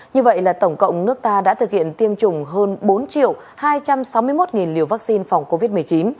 như vậy là tổng cộng nước ta đã thực hiện tiêm chủng hơn bốn hai trăm sáu mươi một liều vaccine phòng covid một mươi chín